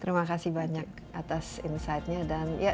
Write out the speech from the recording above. terima kasih banyak atas insight nya